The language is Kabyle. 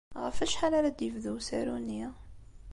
Ɣef wacḥal ara d-yebdu usaru-nni?